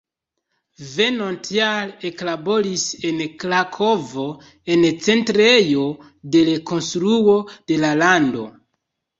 Venontjare eklaboris en Krakovo en Centrejo de Rekonstruo de la Lando.